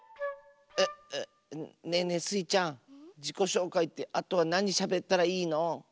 うっうっねえねえスイちゃんじこしょうかいってあとはなにしゃべったらいいの？